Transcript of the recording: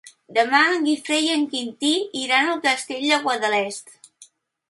Demà en Guifré i en Quintí iran al Castell de Guadalest.